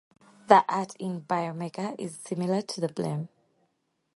The art in "Biomega" is similar to "Blame!